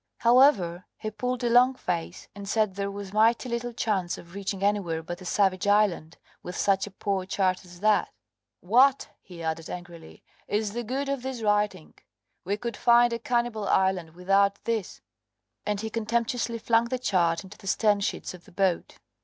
However, he pulled a long face, and said there was mighty little chance of reaching anywhere but a savage island, with such a poor chart as that. "What," he added angrily, "is the good of this writing? We could find a cannibal island without this," and he contemptuously flung the chart into the stern sheets of the boat.